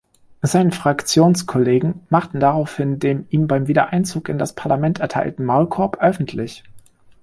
Seine Fraktionskollegen machten daraufhin den ihm beim Wiedereinzug in das Parlament erteilten „Maulkorb“ öffentlich.